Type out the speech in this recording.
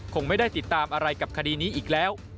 คงไม่ได้ติดตามอะไรกับคดีนี้อีกแล้ว